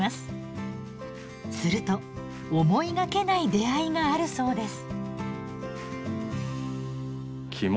すると思いがけない出会いがあるそうです。